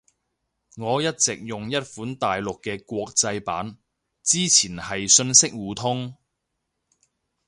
我一直用一款大陸嘅國際版。之前係信息互通